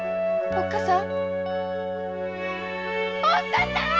おっ母さん‼